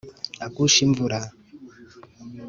agushe imvura